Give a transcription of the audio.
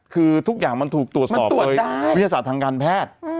คือทุกอย่างมันถูกตรวจสอบโดยวิทยาศาสตร์ทางการแพทย์